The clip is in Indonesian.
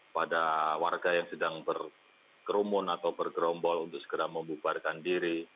pada warga yang sedang berkerumun atau bergerombol untuk segera membubarkan diri